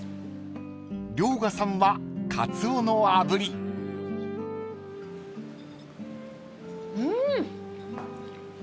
［遼河さんはカツオのあぶり］ん。